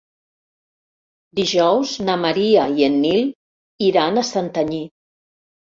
Dijous na Maria i en Nil iran a Santanyí.